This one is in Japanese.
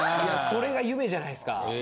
それが夢じゃないすか。